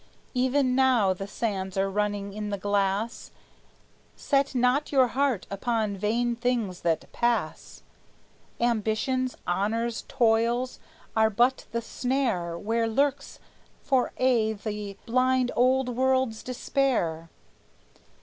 Even now the sands are running in the glass; Set not your heart upon vain things that pass; Ambitions, honors, toils, are but the snare Where lurks for aye the blind old world's despair.